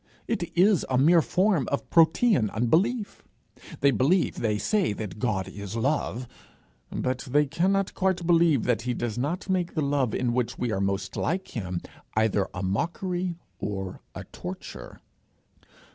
It is a mere form of Protean unbelief. They believe, they say, that God is love; but they cannot quite believe that he does not make the love in which we are most like him, either a mockery or a torture.